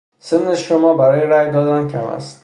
سن شما برای رای دادن کم است.